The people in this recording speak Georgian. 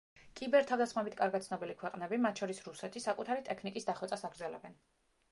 კიბერ-თავდასხმებით კარგად ცნობილი ქვეყნები, მათ შორის რუსეთი, საკუთარი ტექნიკის დახვეწას აგრძელებენ.